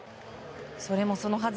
それもそのはず